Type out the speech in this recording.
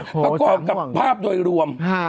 โอ้โหสังหวังประกอบกับภาพโดยรวม